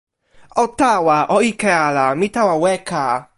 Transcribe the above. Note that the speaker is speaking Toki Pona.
o tawa. o ike ala. mi tawa weka.